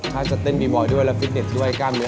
ถ้าจะเต้นบีมอยด้วยและฟิตเน็ตด้วยกล้ามเนื้อ